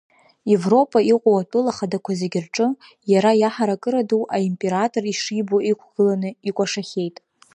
Европа иҟоу атәыла хадақәа зегьы рҿы, иара иаҳаракыра ду аимператор ишибо иқәгыланы икәашахьеит.